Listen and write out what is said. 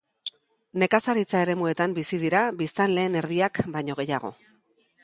Nekazaritza-eremuetan bizi dira biztanleen erdiak baino gehiago.